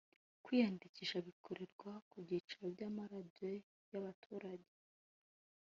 Kwiyandikisha bikorerwa ku byicaro by’amaradiyo y’abaturage